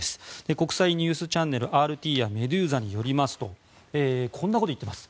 国際ニュースチャンネル、ＲＴやメドゥーザによりますとこんなことを言っています。